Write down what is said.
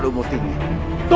atau meng diskutasi maksudmu